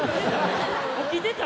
起きてた？